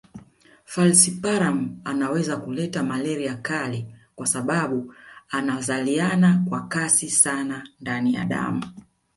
Falciparum anaweza kuleta malaria kali kwa sababu anazaliana kwa kasi sana ndani ya damu